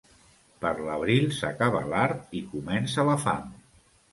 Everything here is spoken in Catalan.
Per l'abril s'acaba l'art i comença la fam.